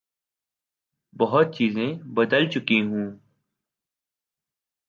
بہت چیزیں بدل چکی ہوں۔